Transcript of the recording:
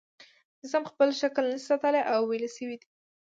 جسم خپل شکل نشي ساتلی او ویلې شوی دی.